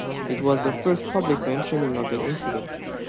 It was the first public mentioning of the incident.